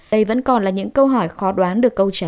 đây vẫn còn là những câu hỏi khó đoán được câu trả lời